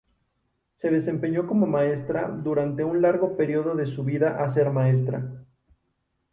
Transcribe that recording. Se desempeñó como maestra durante un largo periodo de su vida a ser maestra.